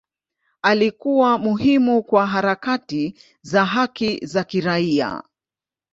Alikuwa muhimu kwa harakati za haki za kiraia.